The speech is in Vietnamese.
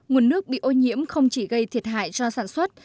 nguồn nước bị ô nhiễm không chỉ gây thiệt hại cho sản xuất